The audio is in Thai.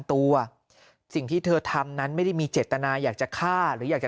ตัวสิ่งที่เธอทำนั้นไม่ได้มีเจตนาอยากจะฆ่าหรืออยากจะ